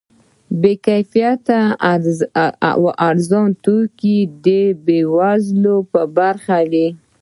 بې کیفیته او ارزانه توکي د بې وزلو په برخه وي.